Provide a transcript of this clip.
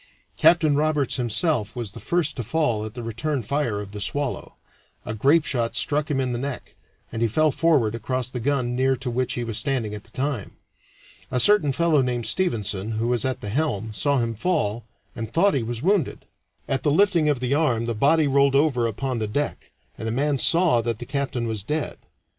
Captain Roberts himself was the first to fall at the return fire of the Swallow; a grapeshot struck him in the neck, and he fell forward across the gun near to which he was standing at the time. A certain fellow named Stevenson, who was at the helm, saw him fall, and thought he was wounded. At the lifting of the arm the body rolled over upon the deck, and the man saw that the captain was dead.